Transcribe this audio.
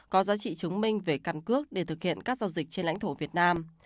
có giá trị chứng minh về căn cước để thực hiện các giao dịch trên lãnh thổ việt nam